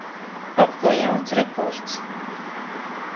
Atkal jauns rekords.